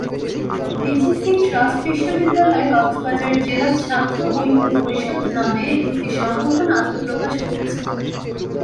BGC trust বিশ্ববিদ্যালয়ে কক্সবাজার জেলা ছাত্র ঐক্য পরিষদ নামে একটি সংগঠন আত্মপ্রকাশ করেছে।